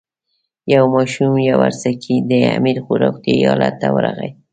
یو ماښام یاورسکي د امیر روغتیایي حالت ته ورغی.